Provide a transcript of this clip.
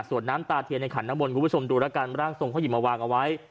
ส่วนน้ำตาเที่ยวในขัดในบนคุณผู้ชมดูละกันรากทรงข้าวหยิบมาวางเอาไว้